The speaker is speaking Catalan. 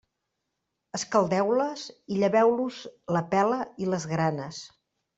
Escaldeu-les i lleveu-los la pela i les granes.